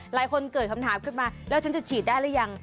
หลายคนเกิดคำถามขึ้นมาแล้วฉันจะฉีดได้หรือยัง